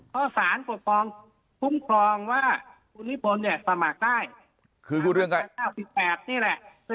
เพราะศาลปกครองคุ้มครองว่าคุณนิพนธ์สมัครได้